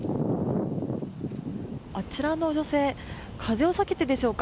あちらの女性風を避けてでしょうか。